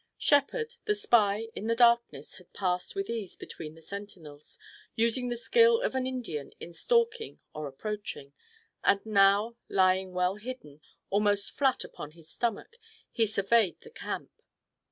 Shepard, the spy, in the darkness had passed with ease between the sentinels, using the skill of an Indian in stalking or approaching, and now, lying well hidden, almost flat upon his stomach, he surveyed the camp.